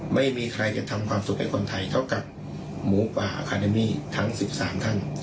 ไม่มีใครจะทำความสุขให้คนไทยเท่ากับหมูป่าทั้งสิบสามท่าน